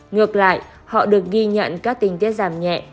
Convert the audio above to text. ngược lại họ được ghi nhận các tình trạng